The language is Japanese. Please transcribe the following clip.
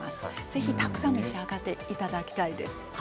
ぜひたくさん召し上がっていただきたいです。